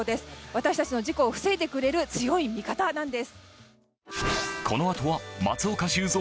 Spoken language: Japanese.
私たちの事故を防いでくれる強い味方なんです。